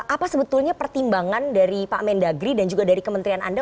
apa sebetulnya pertimbangan dari pak mendagri dan juga dari kementerian anda